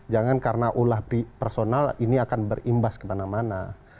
jangan karena ulah personal ini akan berimbas kemana mana